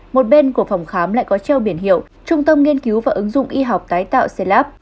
một bên của phòng khám lại có treo biển hiệu trung tâm nghiên cứu và ứng dụng y học tái tạo xây lắp